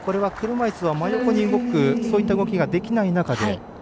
車いすは真横に動くという動きができない中で。